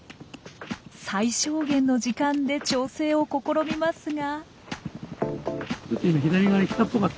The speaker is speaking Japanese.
最小限の時間で調整を試みますが。